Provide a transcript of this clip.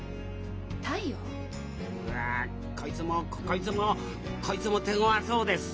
うわこいつもこいつもこいつも手ごわそうです。